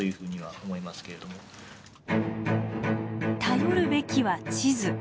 頼るべきは地図。